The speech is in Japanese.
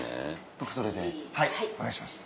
僕それではいお願いします。